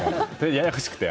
ややこしくて。